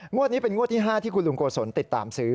นี้เป็นงวดที่๕ที่คุณลุงโกศลติดตามซื้อ